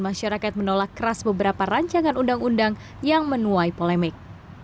masyarakat menolak keras beberapa rancangan undang undang yang menuai polemik